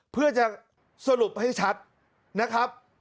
เพื่อจะสรุปให้ชัดนะครับ